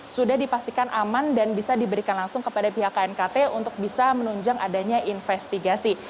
sudah dipastikan aman dan bisa diberikan langsung kepada pihak knkt untuk bisa menunjang adanya investigasi